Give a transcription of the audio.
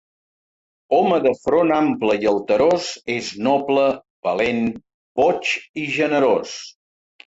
Home de front ample i alterós és noble, valent, boig i generós.